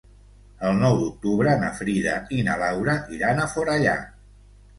El nou d'octubre na Frida i na Laura iran a Forallac.